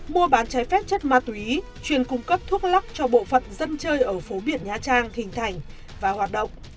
mua bán trái phép chất ma túy chuyên cung cấp thuốc lắc cho bộ phận dân chơi ở phố biển nha trang hình thành và hoạt động